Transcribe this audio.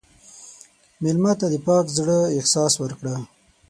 مېلمه ته د پاک زړه احساس ورکړه.